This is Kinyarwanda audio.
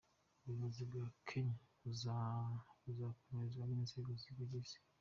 Ubuyobozi bwa Kenya buzakomezwa n’inzego zibugize